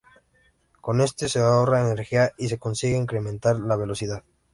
Con esto se ahorra energía y se consigue incrementar la velocidad.